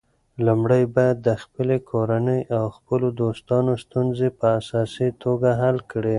لومړی باید د خپلې کورنۍ او خپلو دوستانو ستونزې په اساسي توګه حل کړې.